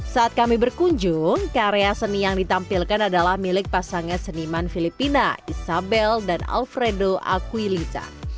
saat kami berkunjung karya seni yang ditampilkan adalah milik pasangan seniman filipina isabel dan alfredo akuilita